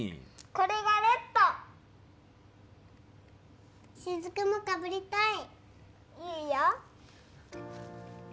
これがレッド雫もかぶりたいいいよ